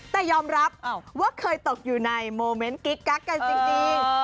แต่ยอมรับว่าเคยตกอยู่ในโมเมนต์กิ๊กกักกันจริง